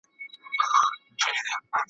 بس هغه ده چي مي مور کیسه کوله ,